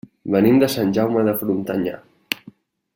Venim de Sant Jaume de Frontanyà.